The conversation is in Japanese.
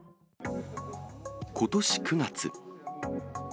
ことし９月。